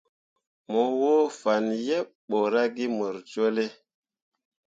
Mo woo fan yeɓ ɓo ra ge mor jolle.